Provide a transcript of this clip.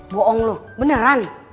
boong lu beneran